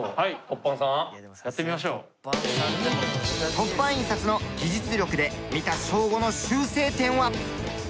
凸版印刷の技術力で見たショーゴの修正点は？